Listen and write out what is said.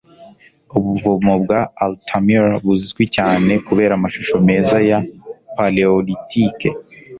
ubuvumo bwa altamira buzwi cyane kubera amashusho meza ya paleolithique